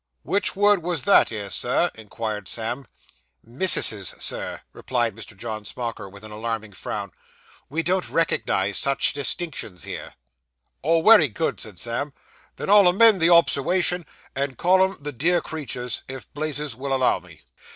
'Which word was that 'ere, Sir?' inquired Sam. 'Mississes, Sir,' replied Mr. John Smauker, with an alarming frown. 'We don't recognise such distinctions here.' 'Oh, wery good,' said Sam; 'then I'll amend the obserwation and call 'em the dear creeturs, if Blazes vill allow me.